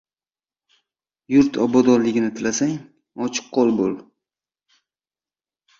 — Yurt obodligini tilasang, ochiqqo‘l bo‘l.